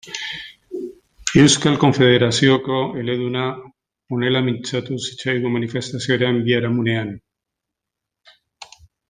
Euskal Konfederazioko eleduna honela mintzatu zitzaigun manifestazioaren biharamunean.